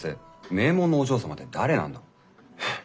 名門のお嬢様って誰なんだ？